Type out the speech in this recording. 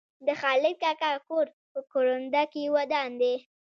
د خالد کاکا کور په کرونده کې ودان دی.